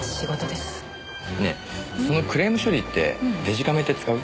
ねえそのクレーム処理ってデジカメって使う？